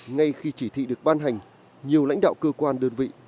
ngay khi chỉ thị được ban hành nhiều lãnh đạo cơ quan đơn vị